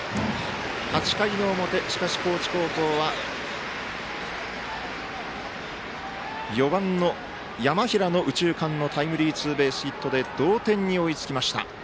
８回の表、高知高校は４番の山平の右中間のタイムリーツーベースヒットで同点に追いつきました。